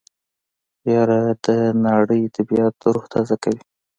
يره د ناړۍ طبعيت روح تازه کوي.